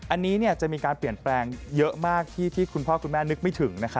อันนี้จะมีการเปลี่ยนแปลงเยอะมากที่คุณพ่อคุณแม่นึกไม่ถึง